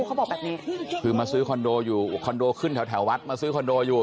เขาบอกแบบนี้คือมาซื้อคอนโดอยู่คอนโดขึ้นแถววัดมาซื้อคอนโดอยู่